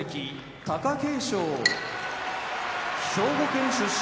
貴景勝兵庫県出身